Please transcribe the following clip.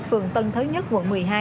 phường tân thế nhất quận một mươi hai